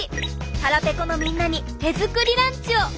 腹ぺこのみんなに手作りランチを！